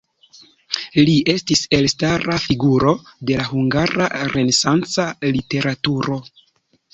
Li estis elstara figuro de la hungara renesanca literaturo.